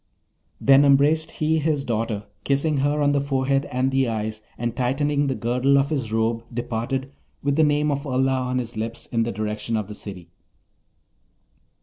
Then embraced he his daughter, kissing her on the forehead and the eyes, and tightening the girdle of his robe, departed, with the name of Allah on his lips, in the direction of the City.